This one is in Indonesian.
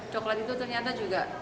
coklat itu ternyata juga